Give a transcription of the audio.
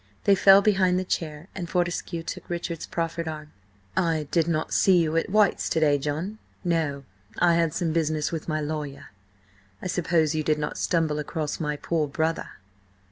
They fell behind the chair, and Fortescue took Richard's proffered arm. "I did not see you at White's to day, John?" "No. I had some business with my lawyer. I suppose you did not stumble across my poor brother?"